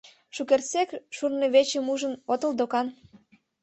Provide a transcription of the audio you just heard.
Шукертсек шурнывечым ужын отыл докан?